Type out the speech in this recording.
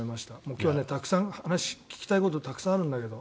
今日は、聞きたいことたくさんあるんだけど。